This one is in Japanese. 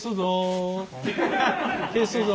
消すぞ。